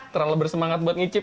terlalu bersemangat buat ngicip